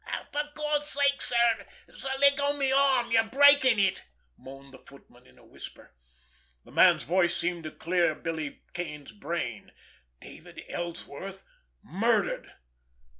"For God's sake, sir, let go my arm—you're breaking it!" moaned the footman in a whisper. The man's voice seemed to clear Billy Kane's brain. David Ellsworth—murdered!